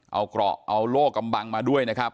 เอาเกราะเอาโลกกำบังมาด้วยนะครับ